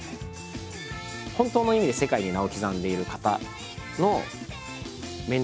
本当の意味で世界に名を刻んでいる方のメンタリティー。